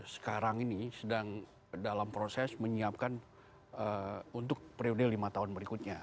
sekarang ini sedang dalam proses menyiapkan untuk periode lima tahun berikutnya